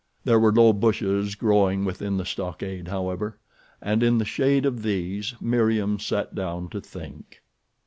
There were low bushes growing within the stockade, however, and in the shade of these Meriem sat down to think.